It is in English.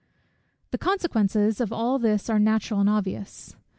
The consequences of all this are natural and obvious.